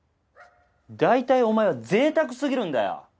大体お前は贅沢すぎるんだよ！